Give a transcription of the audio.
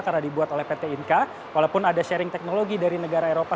karena dibuat oleh pt inka walaupun ada sharing teknologi dari negara eropa